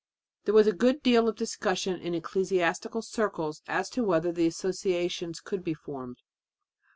There was a good deal of discussion in ecclesiastical circles as to whether the "Associations" could be formed.